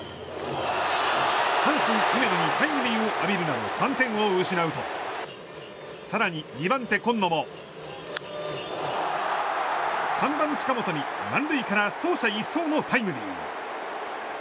阪神、梅野にタイムリーを浴びるなど３点を失うと更に２番手、今野も３番、近本に満塁から走者一掃のタイムリー。